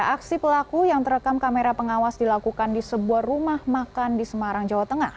aksi pelaku yang terekam kamera pengawas dilakukan di sebuah rumah makan di semarang jawa tengah